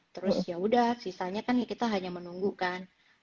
terus ya udah sisanya kan kita hanya menunggu kan